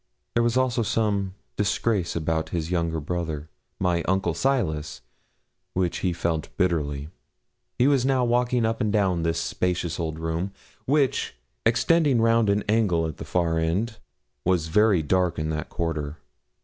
There was also some disgrace about his younger brother my uncle Silas which he felt bitterly. He was now walking up and down this spacious old room, which, extending round an angle at the far end, was very dark in that quarter.